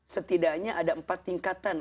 setidaknya ada empat tingkatan